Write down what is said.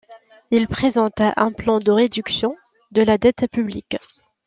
Il présenta un plan de réduction de la dette publique.